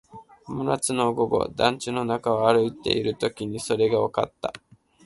真夏の午後、団地の中を歩いているときにそれがわかった